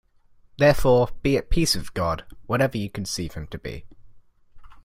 Therefore be at peace with God, whatever you conceive Him to be.